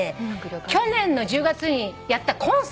去年の１０月にやったコンサートの模様。